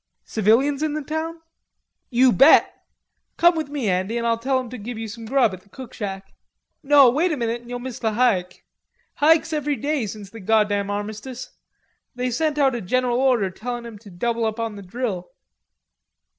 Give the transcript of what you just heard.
"Civilians in the town?" "You bet.... Come with me, Andy, an Ah'll tell 'em to give you some grub at the cookshack. No... wait a minute an' you'll miss the hike.... Hikes every day since the goddam armistice. They sent out a general order telling 'em to double up on the drill."